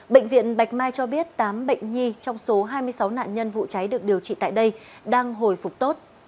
bệnh viện bạch mai cho biết tám bệnh nhi trong số hai mươi sáu nạn nhân vụ cháy được điều trị tại đây đang hồi phục tốt